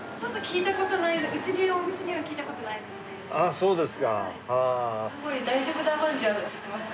そうですか。